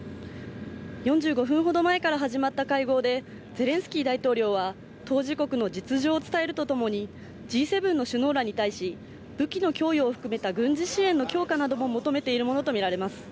４５分ほど前から始まった会合で、ゼレンスキー大統領は当事国の実情を伝えるとともにＧ７の首脳らに対し、武器の供与を含めた軍事支援の強化なども求めているものとみられます。